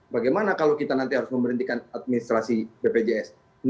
bagaimana kalau kita nanti harus memberhentikan administrasi bpjs